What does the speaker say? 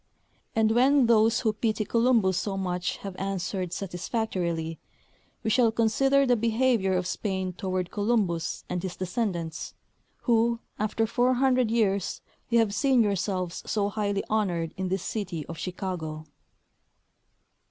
And when those who pity Columbus so much have answered satisfactorily, we shall consider the behavior of Spain toward Columbus and his descendants, who, after 400 years, you have seen yourselves so highly honored in this city of Chicago.